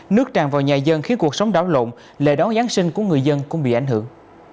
nước tràn vào nhà dân khiến cuộc sống đảo lộn lệ đón giáng sinh của người dân cũng bị ảnh hưởng